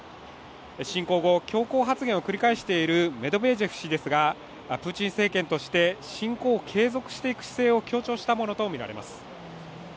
侵攻後、強硬発言を繰り返しているメドベージェフ氏ですがプーチン政権として侵攻を継続していく姿勢を強調したものとみられます。